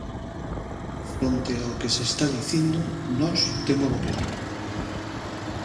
Fronte ao que se está dicindo, nós témolo claro.